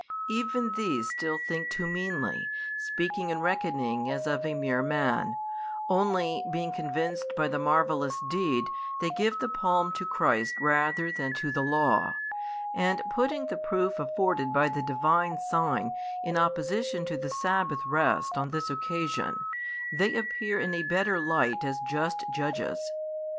Even these still think too meanly, speaking and reckoning as of a mere man; only, being convinced by the marvellous deed, they give the palm to Christ rather than to the law; and, putting the proof afforded by the Divine sign in opposition to the sabbath rest on this occasion, they appear in a better light as just judges.